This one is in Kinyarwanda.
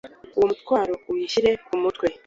uwo mutwaro uwushyire ku mutwe